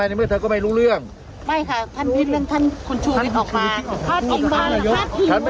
อ๋อท่านอย่างคุณบุรุษครับ